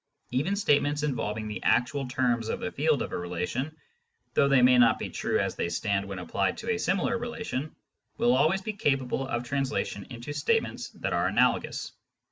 Even statements involving the actual terms of the field of a relation, though they may not be true as they stand when applied to a similar relation, will always be capable of tianslation into statements that are analogous.